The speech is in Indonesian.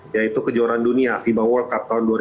yaitu kejuaraan dunia fiba world cup tahun dua ribu dua puluh